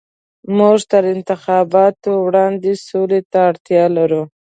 موږ تر انتخاباتو وړاندې سولې ته اړتيا لرو.